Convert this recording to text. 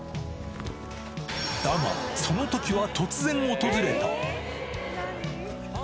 だが、そのときは突然訪れた。